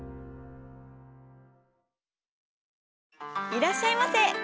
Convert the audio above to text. いらっしゃいませ。